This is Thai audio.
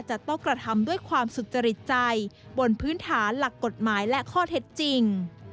จะต้องกระทำด้วยความสุจริตใจบนพื้นฐานหลักกฎหมายและข้อเท็จจริง